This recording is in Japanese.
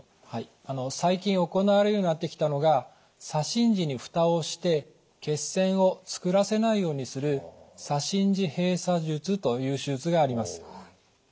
はい最近行われるようになってきたのが左心耳にフタをして血栓をつくらせないようにする左心耳閉鎖術という手術があります。